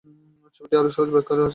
ছবিটির আরো সহজ ব্যাখ্যা আছে।